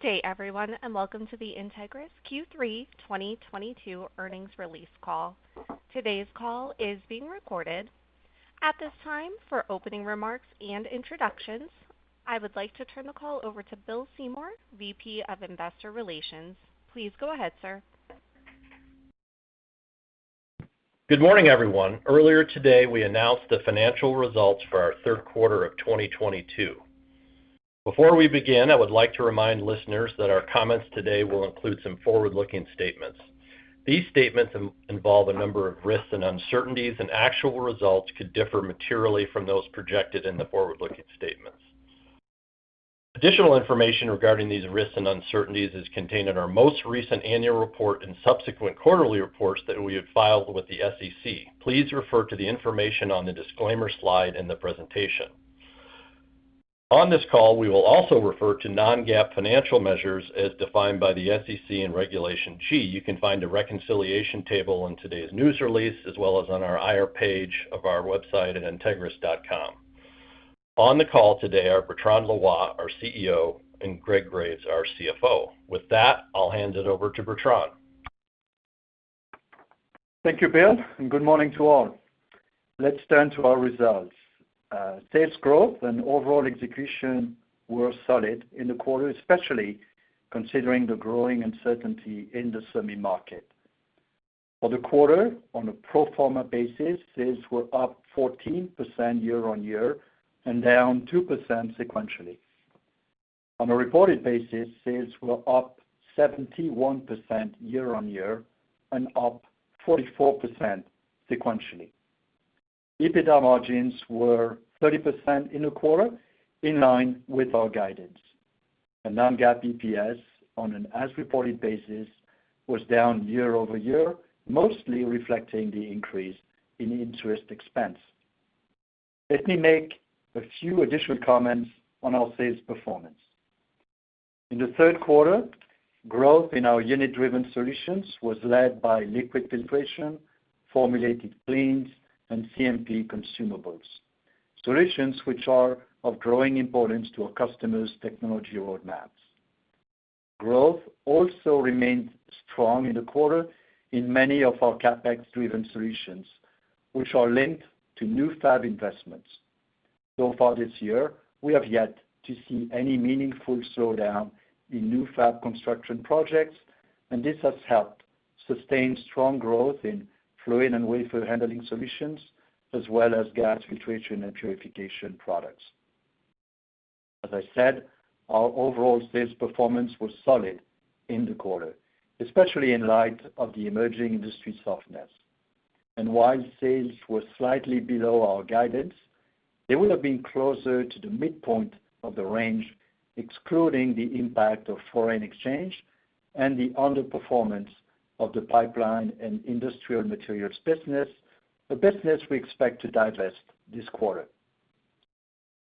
Good day, everyone, and welcome to the Entegris Q3 2022 earnings release call. Today's call is being recorded. At this time, for opening remarks and introductions, I would like to turn the call over to Bill Seymour, VP of Investor Relations. Please go ahead, sir. Good morning, everyone. Earlier today, we announced the financial results for our third quarter of 2022. Before we begin, I would like to remind listeners that our comments today will include some forward-looking statements. These statements involve a number of risks and uncertainties, and actual results could differ materially from those projected in the forward-looking statements. Additional information regarding these risks and uncertainties is contained in our most recent annual report and subsequent quarterly reports that we have filed with the SEC. Please refer to the information on the disclaimer slide in the presentation. On this call, we will also refer to non-GAAP financial measures as defined by the SEC and Regulation G. You can find a reconciliation table in today's news release, as well as on our IR page of our website at entegris.com. On the call today are Bertrand Loy, our CEO, and Greg Graves, our CFO. With that, I'll hand it over to Bertrand. Thank you, Bill, and good morning to all. Let's turn to our results. Sales growth and overall execution were solid in the quarter, especially considering the growing uncertainty in the semi market. For the quarter, on a pro forma basis, sales were up 14% year-on-year and down 2% sequentially. On a reported basis, sales were up 71% year-on-year and up 44% sequentially. EBITDA margins were 30% in the quarter, in line with our guidance. The non-GAAP EPS on an as-reported basis was down year-over-year, mostly reflecting the increase in interest expense. Let me make a few additional comments on our sales performance. In the third quarter, growth in our unit-driven solutions was led by liquid filtration, formulated cleans, and CMP consumables, solutions which are of growing importance to our customers' technology roadmaps. Growth also remained strong in the quarter in many of our CapEx-driven solutions, which are linked to new fab investments. Far this year, we have yet to see any meaningful slowdown in new fab construction projects, and this has helped sustain strong growth in Fluid Handling and Wafer Handling solutions, as well as Gas Filtration and Purification products. As I said, our overall sales performance was solid in the quarter, especially in light of the emerging industry softness. While sales were slightly below our guidance, they would have been closer to the midpoint of the range, excluding the impact of foreign exchange and the underperformance of the Pipeline and Industrial Materials business, a business we expect to divest this quarter.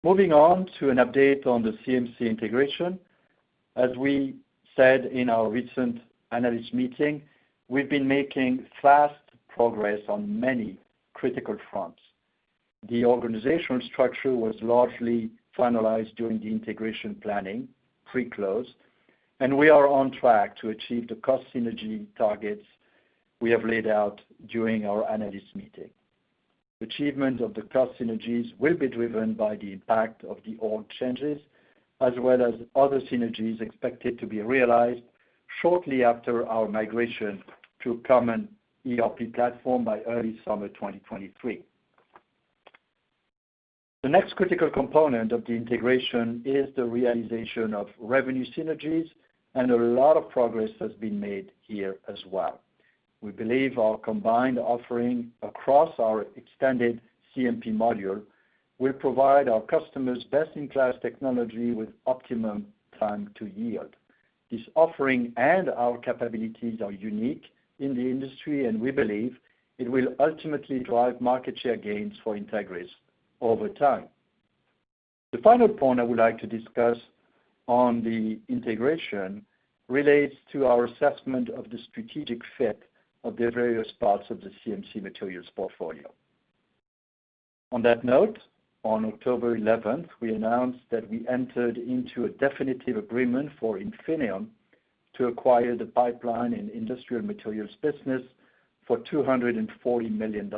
Moving on to an update on the CMC integration. As we said in our recent analyst meeting, we've been making fast progress on many critical fronts. The organizational structure was largely finalized during the integration planning pre-close, and we are on track to achieve the cost synergy targets we have laid out during our analyst meeting. Achievement of the cost synergies will be driven by the impact of the org changes, as well as other synergies expected to be realized shortly after our migration to a common ERP platform by early summer 2023. The next critical component of the integration is the realization of revenue synergies, and a lot of progress has been made here as well. We believe our combined offering across our extended CMP module will provide our customers best-in-class technology with optimum time to yield. This offering and our capabilities are unique in the industry, and we believe it will ultimately drive market share gains for Entegris over time. The final point I would like to discuss on the integration relates to our assessment of the strategic fit of the various parts of the CMC Materials portfolio. On that note, on October eleventh, we announced that we entered into a definitive agreement for Infineum to acquire the pipeline and industrial materials business for $240 million.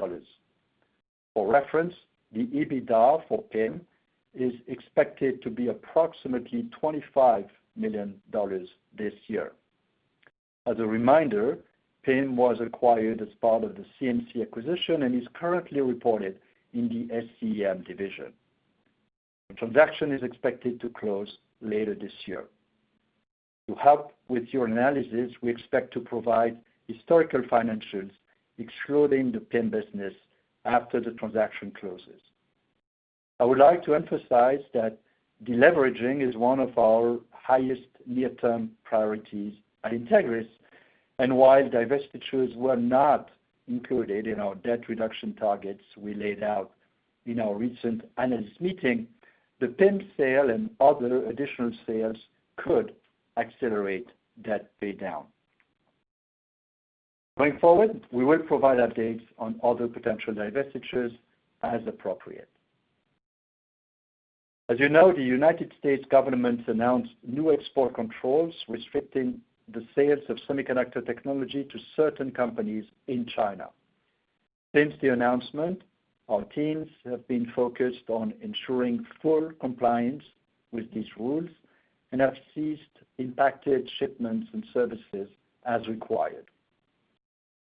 For reference, the EBITDA for PIM is expected to be approximately $25 million this year. As a reminder, PIM was acquired as part of the CMC acquisition and is currently reported in the SCEM division. The transaction is expected to close later this year. To help with your analysis, we expect to provide historical financials excluding the PIM business after the transaction closes. I would like to emphasize that deleveraging is one of our highest near-term priorities at Entegris, and while divestitures were not included in our debt reduction targets we laid out in our recent analyst meeting, the PIM sale and other additional sales could accelerate debt paydown. Going forward, we will provide updates on other potential divestitures as appropriate. As you know, the United States government announced new export controls restricting the sales of semiconductor technology to certain companies in China. Since the announcement, our teams have been focused on ensuring full compliance with these rules and have ceased impacted shipments and services as required.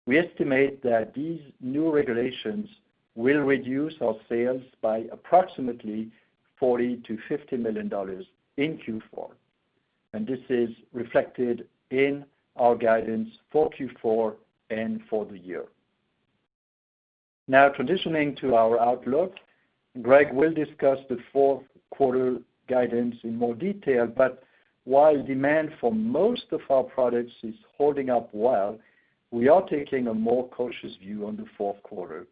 We estimate that these new regulations will reduce our sales by approximately $40 million-$50 million in Q4, and this is reflected in our guidance for Q4 and for the year. Now transitioning to our outlook, Greg will discuss the fourth quarter guidance in more detail, but while demand for most of our products is holding up well, we are taking a more cautious view on the fourth quarter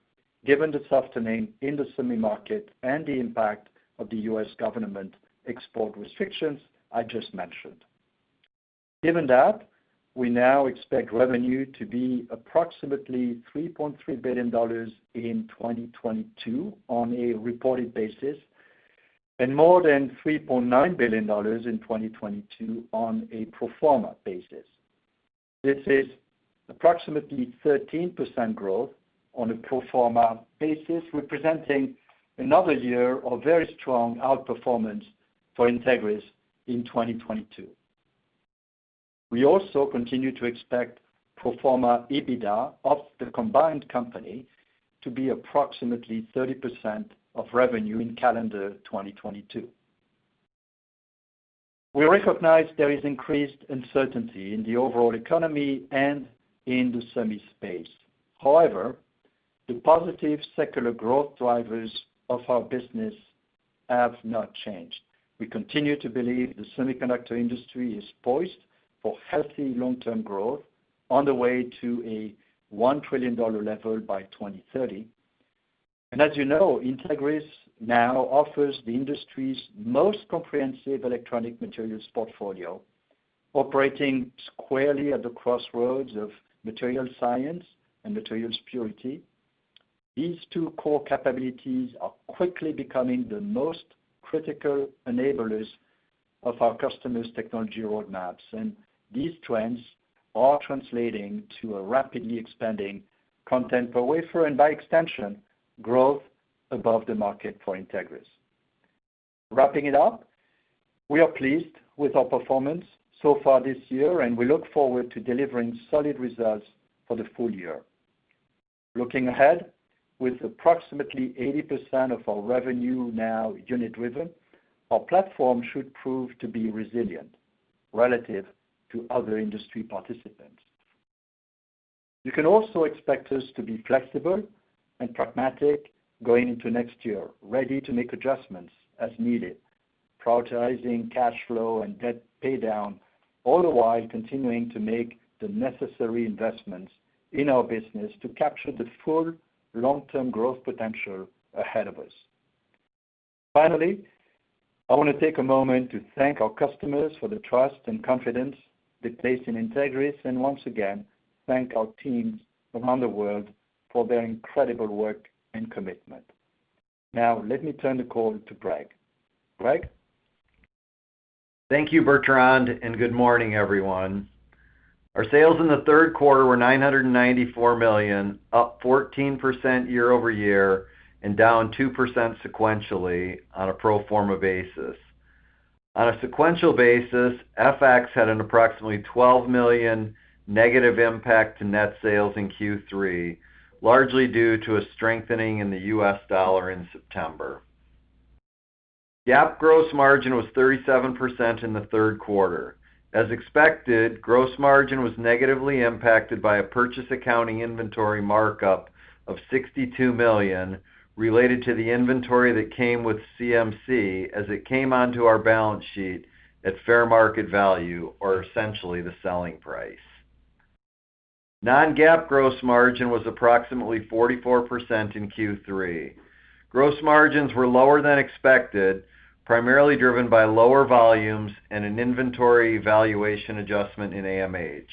given the softening in the semi market and the impact of the U.S. government export restrictions I just mentioned. Given that, we now expect revenue to be approximately $3.3 billion in 2022 on a reported basis and more than $3.9 billion in 2022 on a pro forma basis. This is approximately 13% growth on a pro forma basis, representing another year of very strong outperformance for Entegris in 2022. We also continue to expect pro forma EBITDA of the combined company to be approximately 30% of revenue in calendar 2022. We recognize there is increased uncertainty in the overall economy and in the semi space. However, the positive secular growth drivers of our business have not changed. We continue to believe the semiconductor industry is poised for healthy long-term growth on the way to a $1 trillion level by 2030. As you know, Entegris now offers the industry's most comprehensive electronic materials portfolio, operating squarely at the crossroads of material science and materials purity. These two core capabilities are quickly becoming the most critical enablers of our customers' technology roadmaps, and these trends are translating to a rapidly expanding content per wafer and by extension, growth above the market for Entegris. Wrapping it up, we are pleased with our performance so far this year, and we look forward to delivering solid results for the full-year. Looking ahead, with approximately 80% of our revenue now unit-driven, our platform should prove to be resilient relative to other industry participants. You can also expect us to be flexible and pragmatic going into next year, ready to make adjustments as needed, prioritizing cash flow and debt paydown, all the while continuing to make the necessary investments in our business to capture the full long-term growth potential ahead of us. Finally, I want to take a moment to thank our customers for the trust and confidence they place in Entegris, and once again, thank our teams around the world for their incredible work and commitment. Now, let me turn the call to Greg. Greg? Thank you, Bertrand Loy, and good morning, everyone. Our sales in the third quarter were $994 million, up 14% year-over-year and down 2% sequentially on a pro forma basis. On a sequential basis, FX had an approximately $12 million negative impact to net sales in Q3, largely due to a strengthening in the U.S. dollar in September. GAAP gross margin was 37% in the third quarter. As expected, gross margin was negatively impacted by a purchase accounting inventory markup of $62 million related to the inventory that came with CMC as it came onto our balance sheet at fair market value, or essentially the selling price. Non-GAAP gross margin was approximately 44% in Q3. Gross margins were lower than expected, primarily driven by lower volumes and an inventory valuation adjustment in AMH.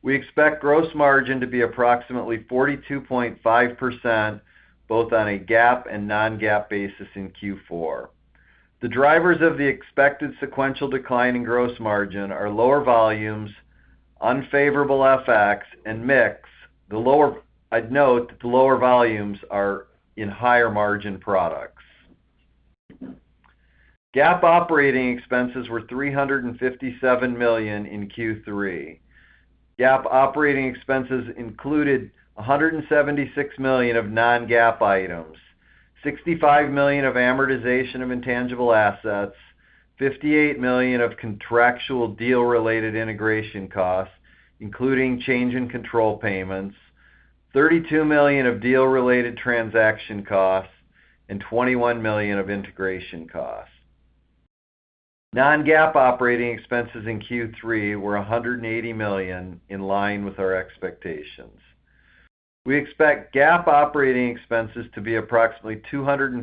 We expect gross margin to be approximately 42.5% both on a GAAP and non-GAAP basis in Q4. The drivers of the expected sequential decline in gross margin are lower volumes, unfavorable FX, and mix. I'd note that the lower volumes are in higher margin products. GAAP operating expenses were $357 million in Q3. GAAP operating expenses included $176 million of non-GAAP items, $65 million of amortization of intangible assets, $58 million of contractual deal-related integration costs, including change in control payments, $32 million of deal-related transaction costs, and $21 million of integration costs. non-GAAP operating expenses in Q3 were $180 million, in line with our expectations. We expect GAAP operating expenses to be approximately $259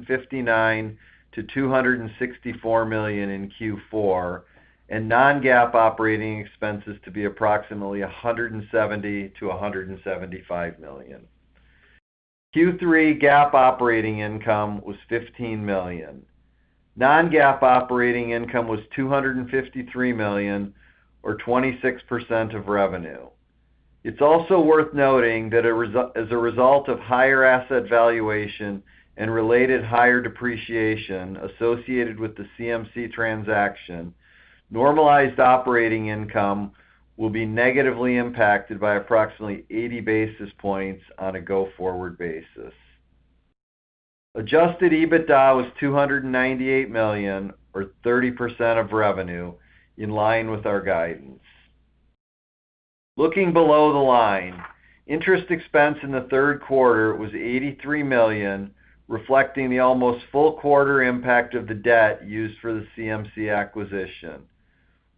million-$264 million in Q4 and non-GAAP operating expenses to be approximately $170 million-$175 million. Q3 GAAP operating income was $15 million. non-GAAP operating income was $253 million or 26% of revenue. It's also worth noting that as a result of higher asset valuation and related higher depreciation associated with the CMC transaction, normalized operating income will be negatively impacted by approximately 80 basis points on a go-forward basis. Adjusted EBITDA was $298 million or 30% of revenue, in line with our guidance. Looking below the line, interest expense in the third quarter was $83 million, reflecting the almost full quarter impact of the debt used for the CMC acquisition.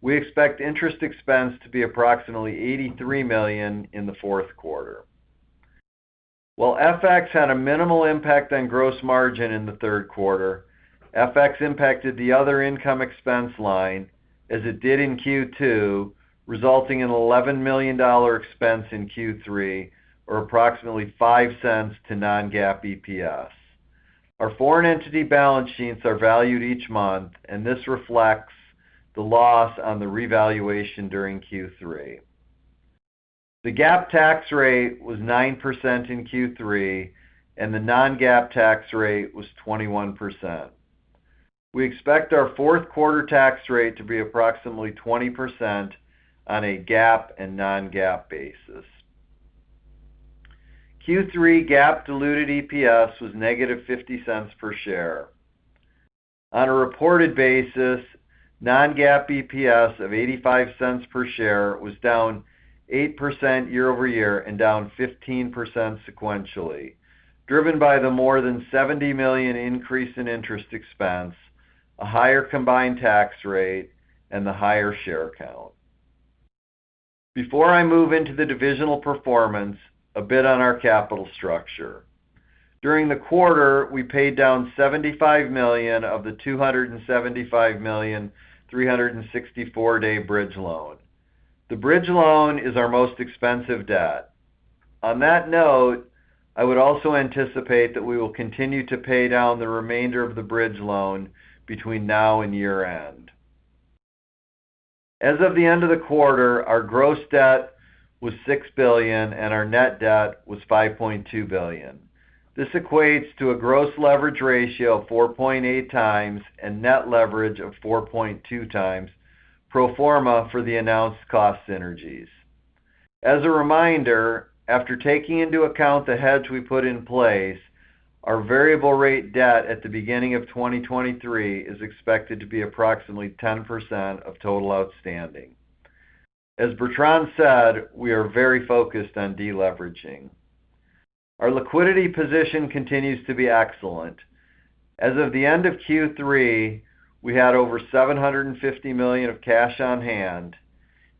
We expect interest expense to be approximately $83 million in the fourth quarter. While FX had a minimal impact on gross margin in the third quarter, FX impacted the other income expense line as it did in Q2, resulting in $11 million expense in Q3 or approximately $0.05 to non-GAAP EPS. Our foreign entity balance sheets are valued each month, and this reflects the loss on the revaluation during Q3. The GAAP tax rate was 9% in Q3, and the non-GAAP tax rate was 21%. We expect our fourth quarter tax rate to be approximately 20% on a GAAP and non-GAAP basis. Q3 GAAP diluted EPS was negative $0.50 per share. On a reported basis, non-GAAP EPS of $0.85 per share was down 8% year-over-year and down 15% sequentially, driven by the more than $70 million increase in interest expense, a higher combined tax rate, and the higher share count. Before I move into the divisional performance, a bit on our capital structure. During the quarter, we paid down $75 million of the $275 million 364-day bridge loan. The bridge loan is our most expensive debt. On that note, I would also anticipate that we will continue to pay down the remainder of the bridge loan between now and year-end. As of the end of the quarter, our gross debt was $6 billion, and our net debt was $5.2 billion. This equates to a gross leverage ratio of 4.8x and net leverage of 4.2x pro forma for the announced cost synergies. As a reminder, after taking into account the hedge we put in place, our variable rate debt at the beginning of 2023 is expected to be approximately 10% of total outstanding. As Bertrand said, we are very focused on deleveraging. Our liquidity position continues to be excellent. As of the end of Q3, we had over $750 million of cash on hand.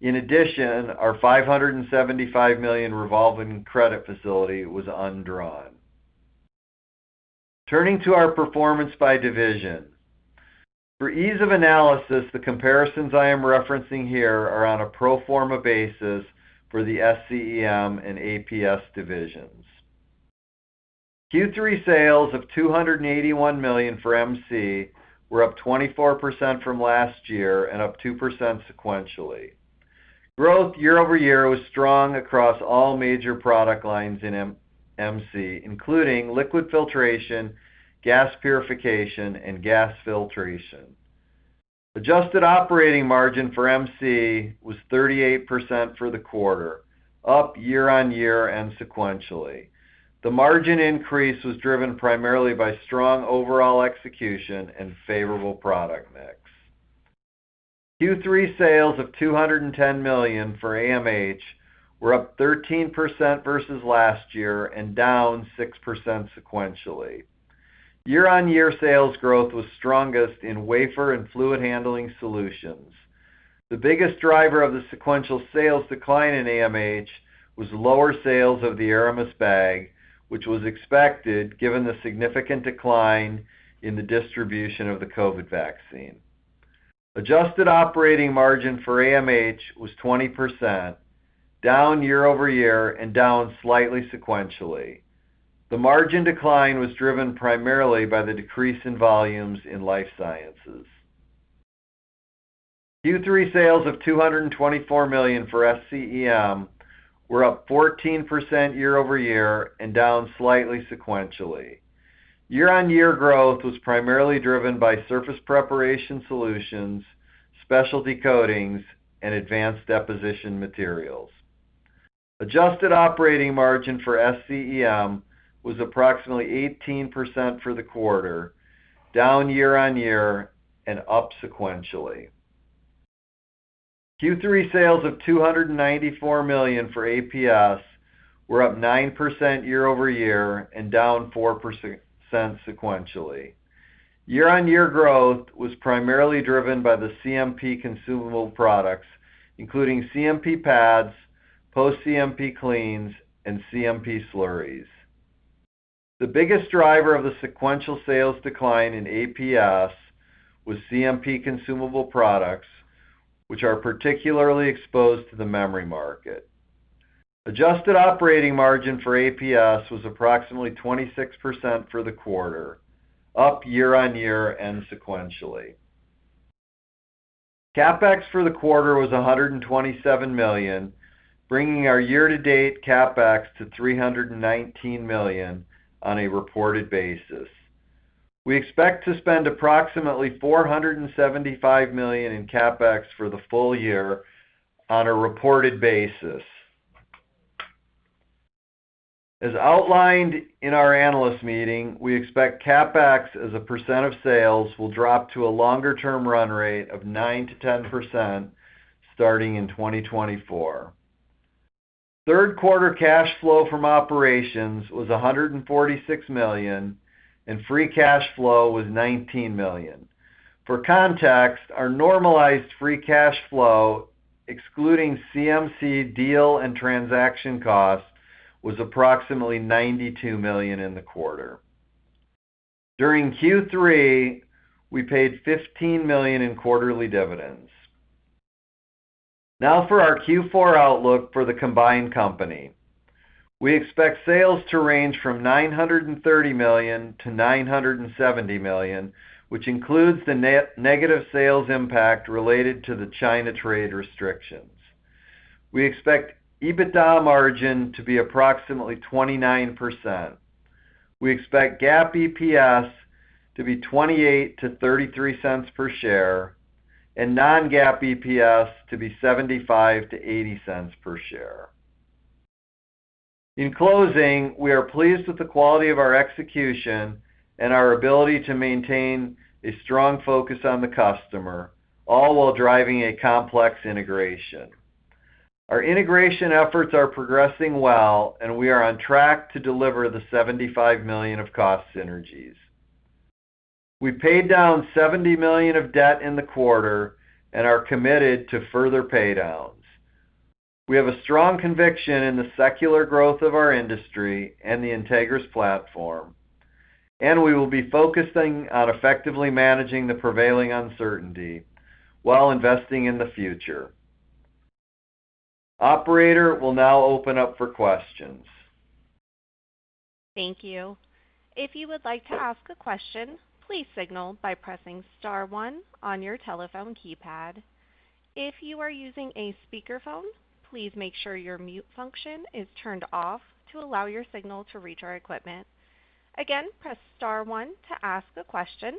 In addition, our $575 million revolving credit facility was undrawn. Turning to our performance by division. For ease of analysis, the comparisons I am referencing here are on a pro forma basis for the SCEM and APS divisions. Q3 sales of $281 million for MC were up 24% from last year and up 2% sequentially. Growth year-over-year was strong across all major product lines in MC, including Liquid Filtration, Gas Purification, and Gas Filtration. Adjusted operating margin for MC was 38% for the quarter, up year-over-year and sequentially. The margin increase was driven primarily by strong overall execution and favorable product mix. Q3 sales of $210 million for AMH were up 13% versus last year and down 6% sequentially. Year-over-year sales growth was strongest in wafer and fluid handling solutions. The biggest driver of the sequential sales decline in AMH was lower sales of the Aramus bag, which was expected given the significant decline in the distribution of the COVID vaccine. Adjusted operating margin for AMH was 20%, down year-over-year and down slightly sequentially. The margin decline was driven primarily by the decrease in volumes in life sciences. Q3 sales of $224 million for SCEM were up 14% year-over-year and down slightly sequentially. Year-over-year growth was primarily driven by Surface Preparation solutions, specialty coatings, and Advanced Deposition Materials. Adjusted operating margin for SCEM was approximately 18% for the quarter, down year-over-year and up sequentially. Q3 sales of $294 million for APS were up 9% year-over-year and down 4% sequentially. Year-on-year growth was primarily driven by the CMP consumable products, including CMP Pads, Post-CMP Cleans, and CMP slurries. The biggest driver of the sequential sales decline in APS was CMP consumable products, which are particularly exposed to the memory market. Adjusted operating margin for APS was approximately 26% for the quarter, up year-on-year and sequentially. CapEx for the quarter was $127 million, bringing our year-to-date CapEx to $319 million on a reported basis. We expect to spend approximately $475 million in CapEx for the full-year on a reported basis. As outlined in our analyst meeting, we expect CapEx as a percent of sales will drop to a longer-term run rate of 9%-10% starting in 2024. Third quarter cash flow from operations was $146 million, and free cash flow was $19 million. For context, our normalized free cash flow, excluding CMC deal and transaction costs, was approximately $92 million in the quarter. During Q3, we paid $15 million in quarterly dividends. Now for our Q4 outlook for the combined company. We expect sales to range from $930 million to $970 million, which includes the negative sales impact related to the China trade restrictions. We expect EBITDA margin to be approximately 29%. We expect GAAP EPS to be $0.28-$0.33 per share, and non-GAAP EPS to be $0.75-$0.80 per share. In closing, we are pleased with the quality of our execution and our ability to maintain a strong focus on the customer, all while driving a complex integration. Our integration efforts are progressing well, and we are on track to deliver the $75 million of cost synergies. We paid down $70 million of debt in the quarter and are committed to further pay downs. We have a strong conviction in the secular growth of our industry and the Entegris platform, and we will be focusing on effectively managing the prevailing uncertainty while investing in the future. Operator will now open up for questions. Thank you. If you would like to ask a question, please signal by pressing star one on your telephone keypad. If you are using a speakerphone, please make sure your mute function is turned off to allow your signal to reach our equipment. Again, press star one to ask a question,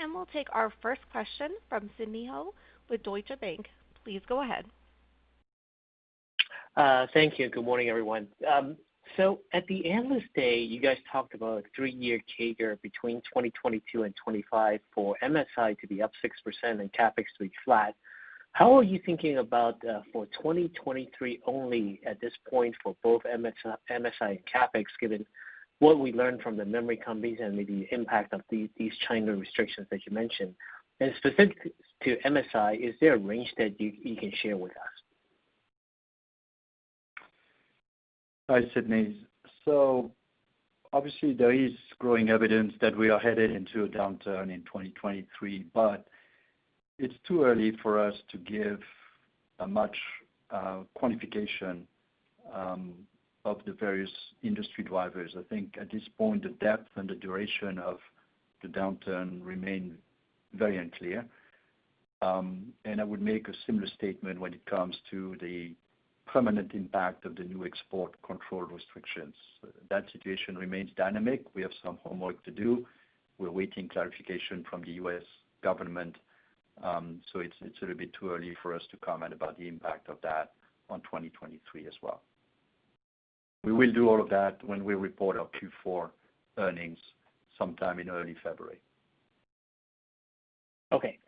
and we'll take our first question from Sidney Ho with Deutsche Bank. Please go ahead. Thank you. Good morning, everyone. At the analyst day, you guys talked about a three-year CAGR between 2022 and 2025 for MSI to be up 6% and CapEx to be flat. How are you thinking about for 2023 only at this point for both MSI and CapEx, given what we learned from the memory companies and maybe the impact of these China restrictions that you mentioned? Specific to MSI, is there a range that you can share with us? Hi, Sidney. Obviously there is growing evidence that we are headed into a downturn in 2023, but it's too early for us to give a much quantification of the various industry drivers. I think at this point, the depth and the duration of the downturn remain very unclear. I would make a similar statement when it comes to the permanent impact of the new export control restrictions. That situation remains dynamic. We have some homework to do. We're waiting clarification from the U.S. government, so it's a little bit too early for us to comment about the impact of that on 2023 as well. We will do all of that when we report our Q4 earnings sometime in early February. Okay.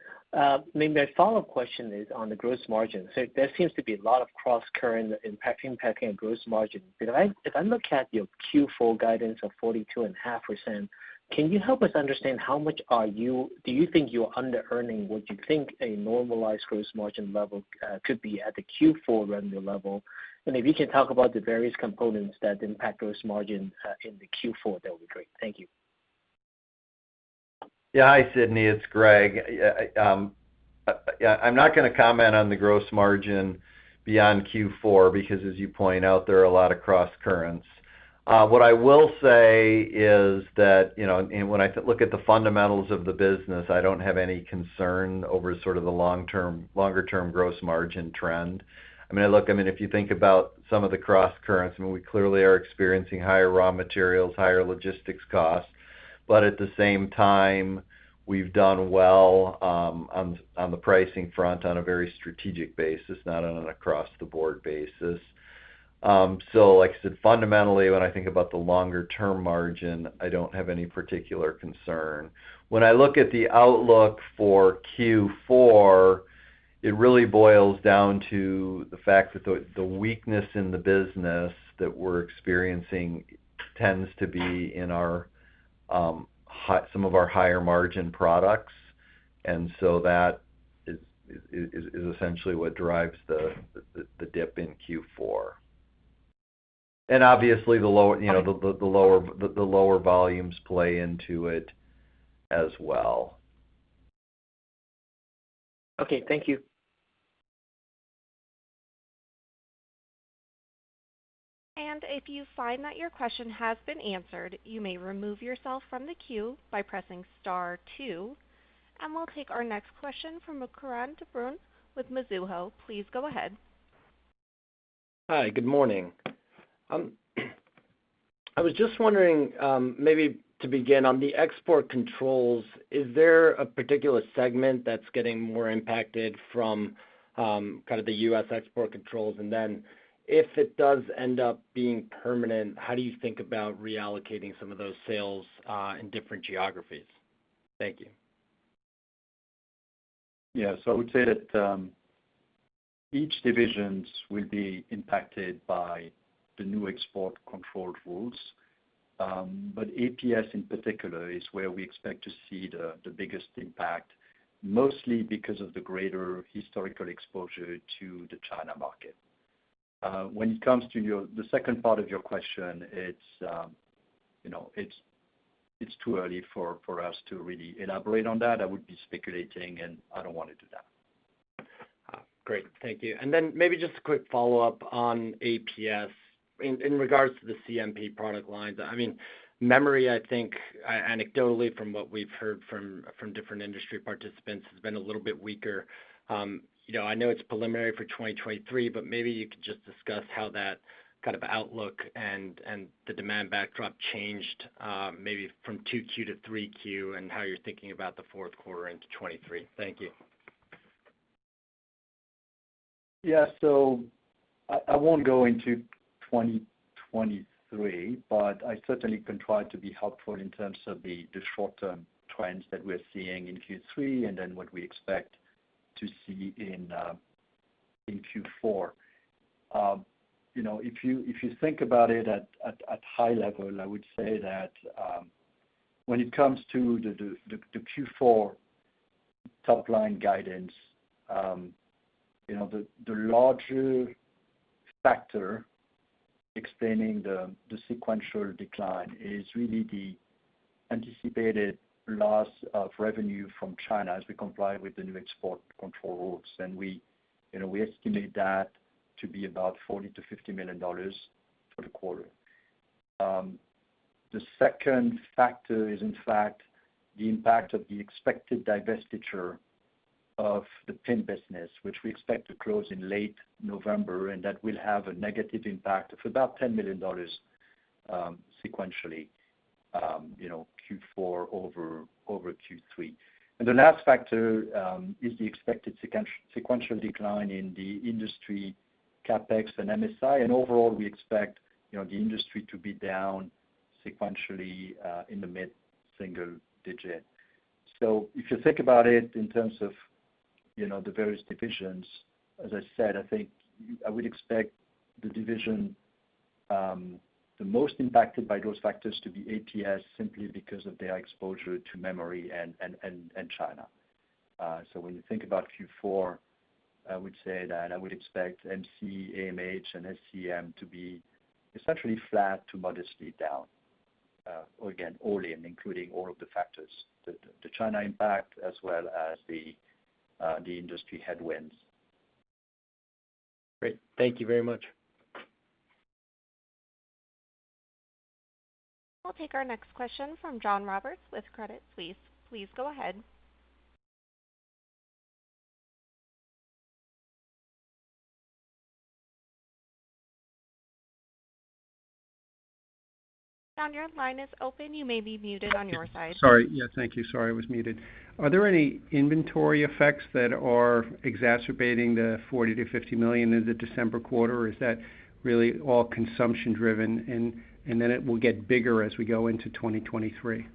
Maybe my follow-up question is on the gross margin. There seems to be a lot of crosscurrents impacting our gross margin. If I look at your Q4 guidance of 42.5%, can you help us understand how much do you think you're underearning? What do you think a normalized gross margin level could be at the Q4 revenue level? If you can talk about the various components that impact gross margin in the Q4, that would be great. Thank you. Yeah. Hi, Sidney Ho. It's Greg Graves. Yeah, I'm not gonna comment on the gross margin beyond Q4 because as you point out, there are a lot of crosscurrents. What I will say is that, you know, and when I look at the fundamentals of the business, I don't have any concern over sort of the longer-term gross margin trend. I mean, look, I mean, if you think about some of the crosscurrents, I mean, we clearly are experiencing higher raw materials, higher logistics costs, but at the same time, we've done well on the pricing front on a very strategic basis, not on an across-the-board basis. Like I said, fundamentally, when I think about the longer-term margin, I don't have any particular concern. When I look at the outlook for Q4, it really boils down to the fact that the weakness in the business that we're experiencing tends to be in our some of our higher margin products that it is essentially what drives the dip in Q4.Obviously the lower, you know, the lower volumes play into it as well. Okay, thank you. If you find that your question has been answered, you may remove yourself from the queue by pressing star two. We'll take our next question from Vijay Rakesh with Mizuho. Please go ahead. Hi, good morning. I was just wondering, maybe to begin on the export controls, is there a particular segment that's getting more impacted from, kind of the U.S. export controls? If it does end up being permanent, how do you think about reallocating some of those sales, in different geographies? Thank you. Yeah. I would say that each divisions will be impacted by the new export control rules. APS in particular is where we expect to see the biggest impact, mostly because of the greater historical exposure to the China market. When it comes to the second part of your question, it's, you know, it's too early for us to really elaborate on that. I would be speculating, and I don't wanna do that. Great. Thank you. Maybe just a quick follow-up on APS in regards to the CMP product lines. I mean, memory, I think anecdotally from what we've heard from different industry participants, has been a little bit weaker. You know, I know it's preliminary for 2023, but maybe you could just discuss how that kind of outlook and the demand backdrop changed, maybe from 2Q to 3Q, and how you're thinking about the fourth quarter into 2023. Thank you. Yeah. I won't go into 2023, but I certainly can try to be helpful in terms of the short-term trends that we're seeing in Q3, and then what we expect to see in Q4. You know, if you think about it at high level, I would say that when it comes to the Q4 top line guidance, you know, the larger factor explaining the sequential decline is really the anticipated loss of revenue from China as we comply with the new export control rules. We, you know, estimate that to be about $40 million-$50 million for the quarter. The second factor is in fact the impact of the expected divestiture of the PIM business, which we expect to close in late November, and that will have a negative impact of about $10 million sequentially, you know, Q4 over Q3. The last factor is the expected sequential decline in the industry CapEx and MSI. Overall, we expect, you know, the industry to be down sequentially in the mid-single-digit%. If you think about it in terms of, you know, the various divisions, as I said, I think I would expect the division, the most impacted by those factors to be APS simply because of their exposure to memory and China. When you think about Q4, I would say that I would expect MC, AMH and SCEM to be essentially flat to modestly down, again, all in, including all of the factors, the China impact as well as the industry headwinds. Great. Thank you very much. We'll take our next question from John Roberts with Credit Suisse. Please go ahead. John, your line is open. You may be muted on your side. Sorry. Yeah, thank you. Sorry, I was muted. Are there any inventory effects that are exacerbating the $40 million-$50 million in the December quarter, or is that really all consumption driven and then it will get bigger as we go into 2023?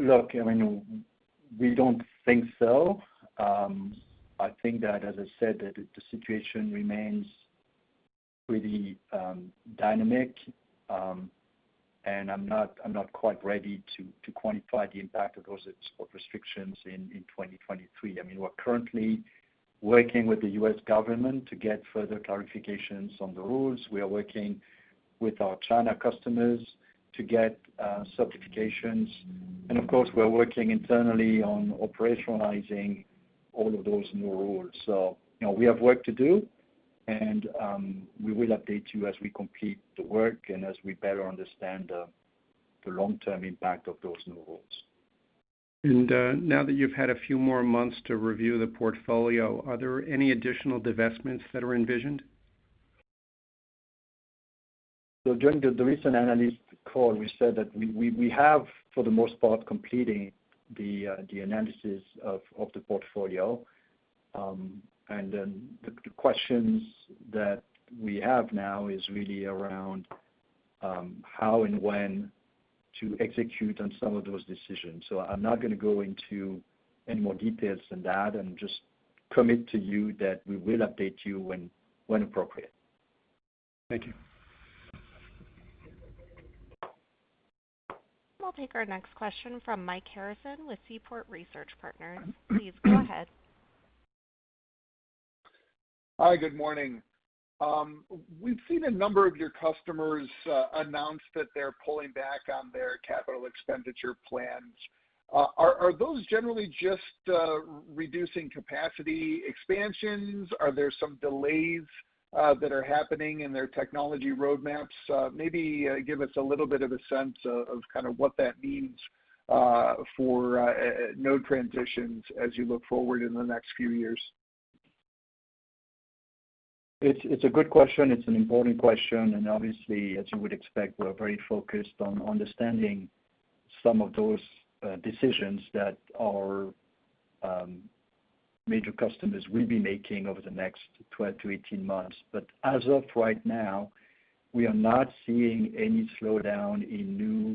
Look, I mean, we don't think so. I think that, as I said, that the situation remains pretty dynamic, and I'm not quite ready to quantify the impact of those export restrictions in 2023. I mean, we're currently working with the U.S. government to get further clarifications on the rules. We are working with our China customers to get certifications. Of course, we're working internally on operationalizing all of those new rules. You know, we have work to do and we will update you as we complete the work and as we better understand the long-term impact of those new rules. Now that you've had a few more months to review the portfolio, are there any additional divestments that are envisioned? During the recent analyst call, we said that we have for the most part completing the analysis of the portfolio. Then the questions that we have now is really around how and when to execute on some of those decisions. I'm not gonna go into any more details than that and just commit to you that we will update you when appropriate. Thank you. We'll take our next question from Mike Harrison with Seaport Research Partners. Please go ahead. Hi, good morning. We've seen a number of your customers announce that they're pulling back on their capital expenditure plans. Are those generally just reducing capacity expansions? Are there some delays that are happening in their technology roadmaps? Maybe give us a little bit of a sense of kind of what that means for node transitions as you look forward in the next few years. It's a good question. It's an important question. Obviously, as you would expect, we're very focused on understanding some of those decisions that our major customers will be making over the next 12-18 months. As of right now, we are not seeing any slowdown in new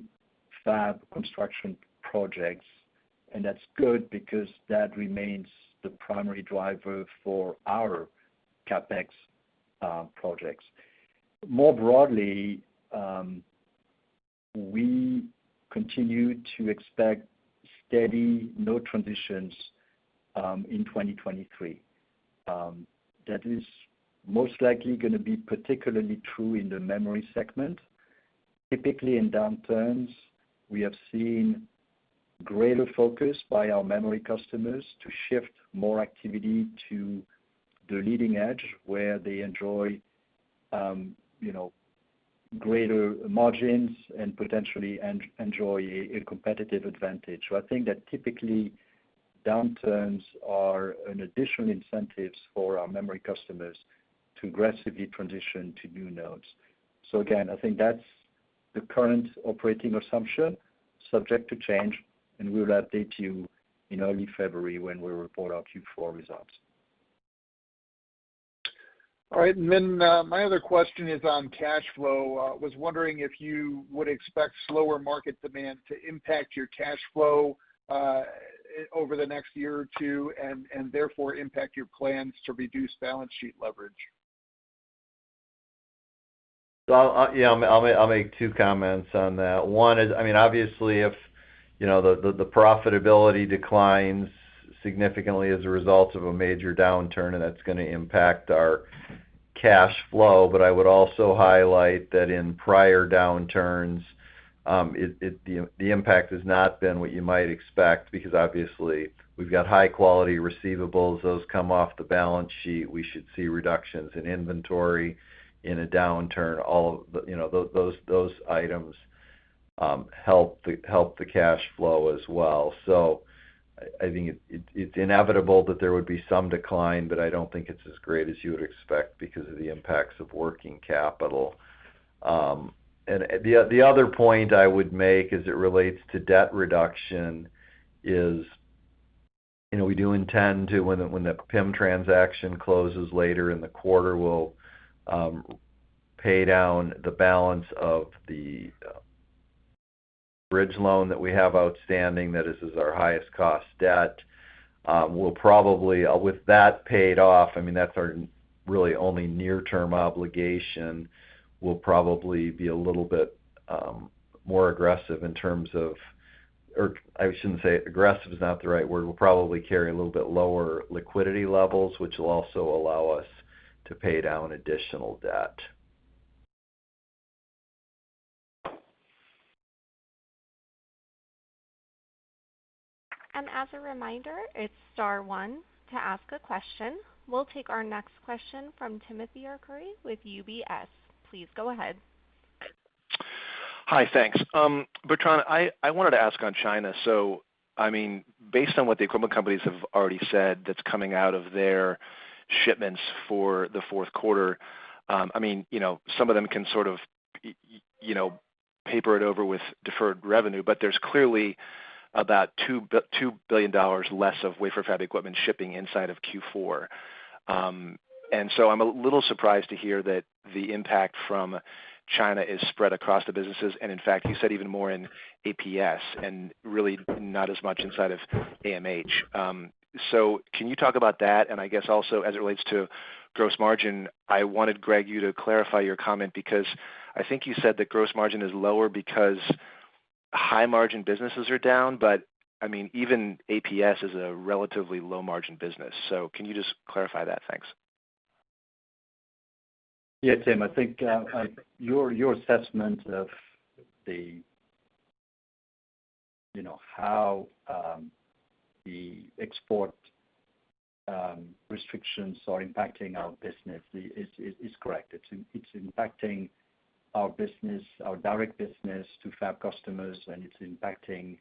fab construction projects, and that's good because that remains the primary driver for our CapEx projects. More broadly, we continue to expect steady node transitions in 2023. That is most likely gonna be particularly true in the memory segment. Typically, in downturns, we have seen greater focus by our memory customers to shift more activity to the leading edge where they enjoy, you know, greater margins and potentially enjoy a competitive advantage. I think that typically downturns are an additional incentives for our memory customers to aggressively transition to new nodes. Again, I think that's the current operating assumption, subject to change, and we will update you in early February when we report our Q4 results. All right. My other question is on cash flow. I was wondering if you would expect slower market demand to impact your cash flow over the next year or two, and therefore impact your plans to reduce balance sheet leverage. Yeah, I'll make two comments on that. One is, I mean, obviously, if, you know, the profitability declines significantly as a result of a major downturn, and that's gonna impact our cash flow. But I would also highlight that in prior downturns, it, the impact has not been what you might expect, because obviously we've got high quality receivables. Those come off the balance sheet. We should see reductions in inventory in a downturn. All of the, you know, those items, help the cash flow as well. I think it's inevitable that there would be some decline, but I don't think it's as great as you would expect because of the impacts of working capital. The other point I would make as it relates to debt reduction is, you know, we do intend to, when the PIM transaction closes later in the quarter, we'll pay down the balance of the bridge loan that we have outstanding. That is our highest cost debt. We'll probably, with that paid off, I mean, that's our really only near-term obligation. We'll probably be a little bit more aggressive. Or I shouldn't say aggressive. Aggressive is not the right word. We'll probably carry a little bit lower liquidity levels, which will also allow us to pay down additional debt. As a reminder, it's star one to ask a question. We'll take our next question from Timothy Arcuri with UBS. Please go ahead. Hi, thanks. Bertrand, I wanted to ask on China. I mean, based on what the equipment companies have already said that's coming out of their shipments for the fourth quarter, I mean, you know, some of them can sort of, you know, paper it over with deferred revenue, but there's clearly about $2 billion less of wafer fab equipment shipping inside of Q4. I'm a little surprised to hear that the impact from China is spread across the businesses, and in fact, you said even more in APS and really not as much inside of AMH. Can you talk about that? I guess also as it relates to gross margin, I wanted, Greg, you to clarify your comment because I think you said that gross margin is lower because high margin businesses are down. I mean, even APS is a relatively low margin business. Can you just clarify that? Thanks. Yeah, Tim, I think your assessment of the, you know, how the export restrictions are impacting our business is correct. It's impacting our business, our direct business to fab customers, and it's impacting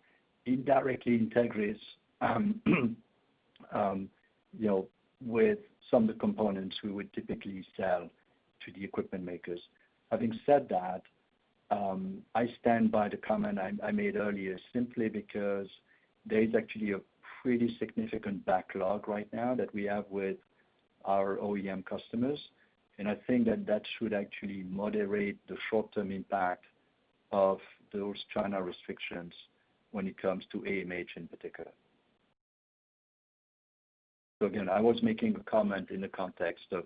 indirectly Entegris, you know, with some of the components we would typically sell to the equipment makers. Having said that, I stand by the comment I made earlier simply because there is actually a pretty significant backlog right now that we have with our OEM customers. I think that should actually moderate the short-term impact of those China restrictions when it comes to AMH in particular. Again, I was making a comment in the context of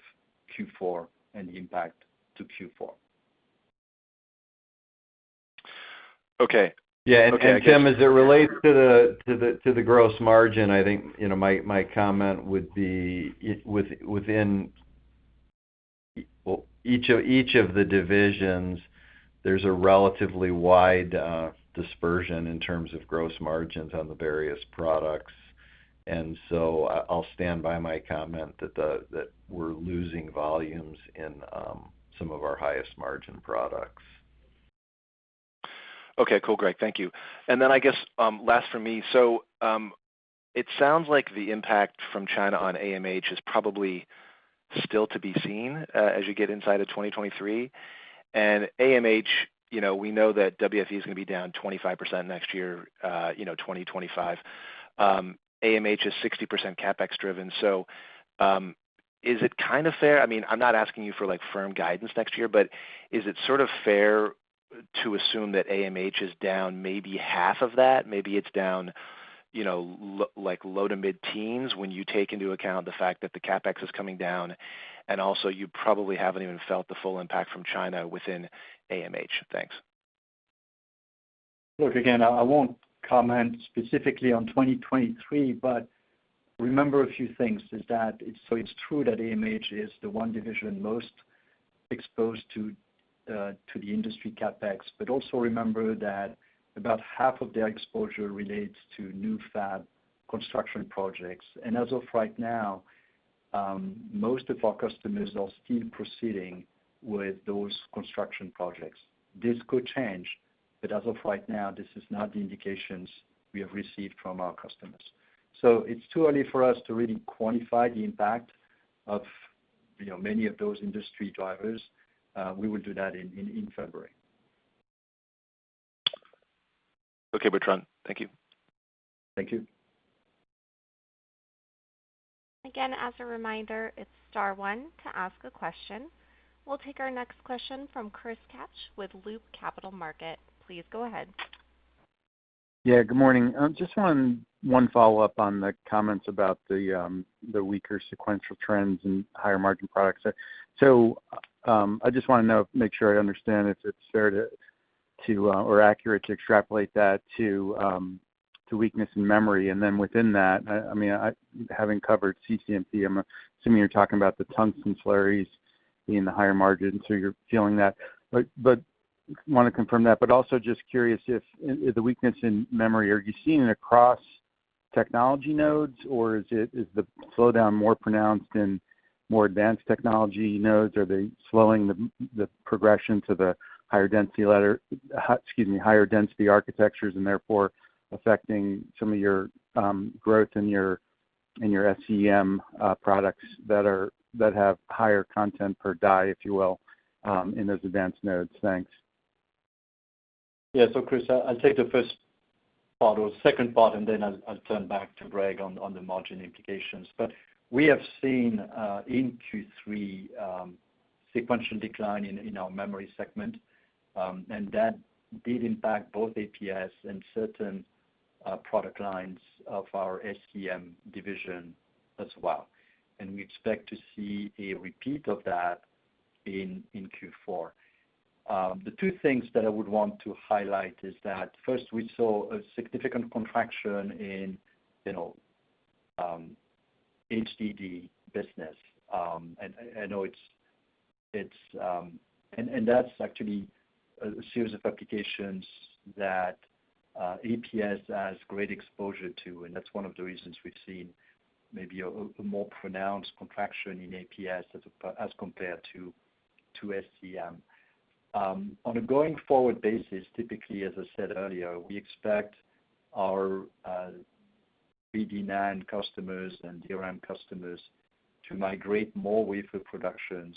Q4 and the impact to Q4. Okay. Yeah, Tim, as it relates to the gross margin, I think, you know, my comment would be within, well, each of the divisions, there's a relatively wide dispersion in terms of gross margins on the various products. I'll stand by my comment that we're losing volumes in some of our highest margin products. Okay. Cool, Greg. Thank you. I guess last for me. It sounds like the impact from China on AMH is probably still to be seen as you get inside of 2023. AMH, you know, we know that WFE is gonna be down 25% next year, you know, 2025. AMH is 60% CapEx driven. Is it kind of fair, I mean, I'm not asking you for like firm guidance next year, but is it sort of fair to assume that AMH is down maybe half of that? Maybe it's down, you know, low to mid-teens when you take into account the fact that the CapEx is coming down, and also you probably haven't even felt the full impact from China within AMH. Thanks. Look, again, I won't comment specifically on 2023, but remember a few things. It's true that AMH is the one division most exposed to the industry CapEx. Also remember that about half of their exposure relates to new fab construction projects. As of right now, most of our customers are still proceeding with those construction projects. This could change, but as of right now, this is not the indications we have received from our customers. It's too early for us to really quantify the impact of, you know, many of those industry drivers. We will do that in February. Okay, Bertrand. Thank you. Thank you. Again, as a reminder, it's star one to ask a question. We'll take our next question from Chris Kapsch with Loop Capital Markets. Please go ahead. Yeah, good morning. Just one follow-up on the comments about the weaker sequential trends in higher margin products. I just wanna know, make sure I understand if it's fair to or accurate to extrapolate that to weakness in memory. Within that, I mean, having covered CMP, I'm assuming you're talking about the tungsten slurries being the higher margin, so you're feeling that. Wanna confirm that, but also just curious if in the weakness in memory, are you seeing it across technology nodes, or is the slowdown more pronounced in more advanced technology nodes? Are they slowing the progression to the higher density architectures, and therefore affecting some of your growth in your SCEM products that have higher content per die, if you will, in those advanced nodes? Thanks. Chris, I'll take the first part or second part, and then I'll turn back to Greg on the margin implications. We have seen in Q3 sequential decline in our memory segment, and that did impact both APS and certain product lines of our SCEM division as well. We expect to see a repeat of that in Q4. The two things that I would want to highlight is that first, we saw a significant contraction in HDD business. That's actually a series of applications that APS has great exposure to, and that's one of the reasons we've seen maybe a more pronounced contraction in APS as compared to SCEM. On a going forward basis, typically, as I said earlier, we expect our PD9 customers and DRAM customers to migrate more wafer productions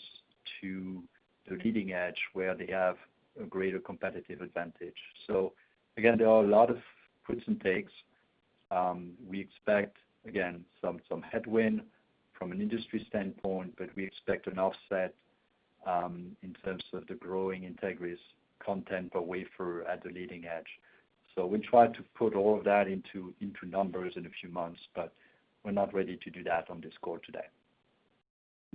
to the leading edge where they have a greater competitive advantage. Again, there are a lot of puts and takes. We expect, again, some headwind from an industry standpoint, but we expect an offset in terms of the growing Entegris content per wafer at the leading edge. We try to put all of that into numbers in a few months, but we're not ready to do that on this call today.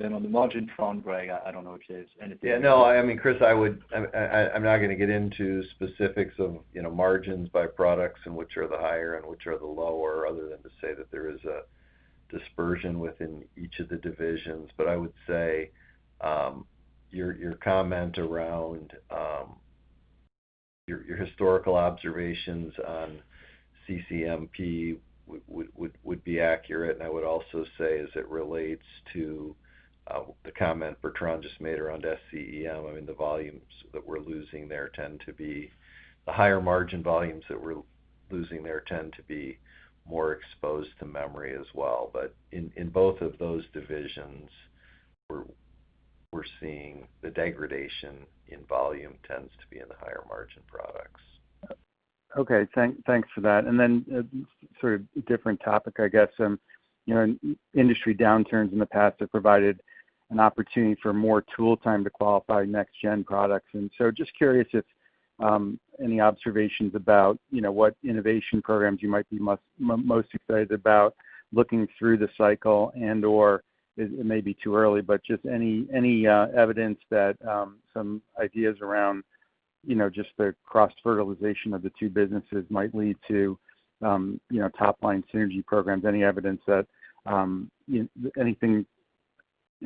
On the margin front, Greg, I don't know if there's anything. I mean, Chris, I would. I'm not gonna get into specifics of, you know, margins by products and which are the higher and which are the lower, other than to say that there is a dispersion within each of the divisions. I would say your comment around your historical observations on CMP would be accurate. I would also say as it relates to the comment Bertrand just made around SCEM, I mean, the higher margin volumes that we're losing there tend to be more exposed to memory as well. In both of those divisions, we're seeing the degradation in volume tends to be in the higher margin products. Okay. Thanks for that. Sort of different topic, I guess. You know, in industry downturns in the past have provided an opportunity for more tool time to qualify next gen products. Just curious if any observations about, you know, what innovation programs you might be most excited about looking through the cycle and/or it may be too early, but just any evidence that some ideas around, you know, just the cross-fertilization of the two businesses might lead to, you know, top-line synergy programs. Any evidence that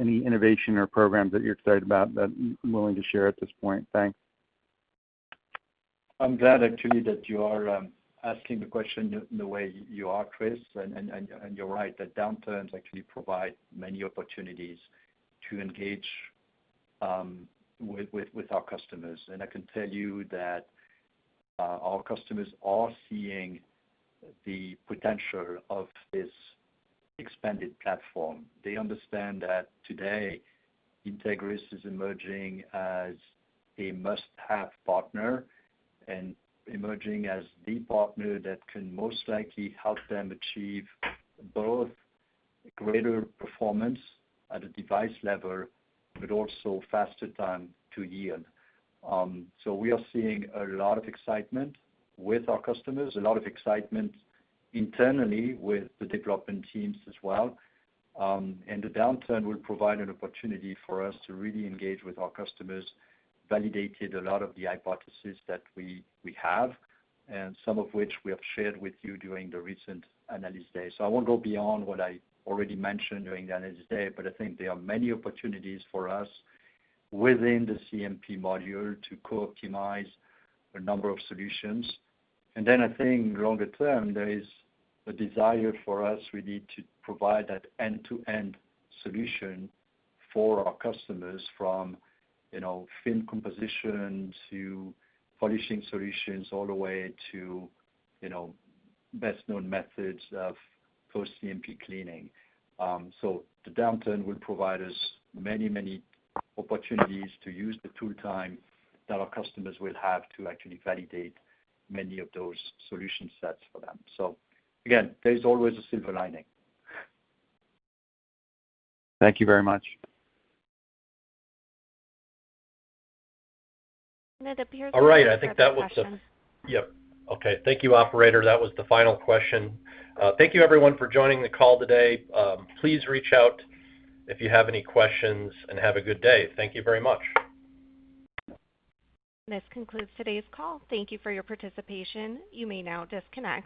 any innovation or programs that you're excited about that you're willing to share at this point? Thanks. I'm glad actually that you are asking the question in the way you are, Chris. You're right that downturns actually provide many opportunities to engage with our customers. I can tell you that our customers are seeing the potential of this expanded platform. They understand that today, Entegris is emerging as a must-have partner and emerging as the partner that can most likely help them achieve both greater performance at a device level, but also faster time to yield. We are seeing a lot of excitement with our customers, a lot of excitement internally with the development teams as well. The downturn will provide an opportunity for us to really engage with our customers, validate a lot of the hypothesis that we have, and some of which we have shared with you during the recent Analyst Day. I won't go beyond what I already mentioned during the Analyst Day, but I think there are many opportunities for us within the CMP module to co-optimize a number of solutions. I think longer term, there is a desire for us really to provide that end-to-end solution for our customers from, you know, film composition to polishing solutions, all the way to, you know, best known methods of post-CMP cleaning. The downturn will provide us many, many opportunities to use the tool time that our customers will have to actually validate many of those solution sets for them. Again, there is always a silver lining. Thank you very much. It appears we have no further questions. Thank you, operator. That was the final question. Thank you everyone for joining the call today. Please reach out if you have any questions, and have a good day. Thank you very much. This concludes today's call. Thank you for your participation. You may now disconnect.